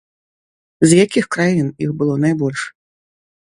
З якіх краін іх было найбольш?